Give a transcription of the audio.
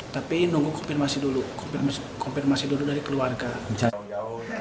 tapi nunggu konfirmasi dulu dari keluarga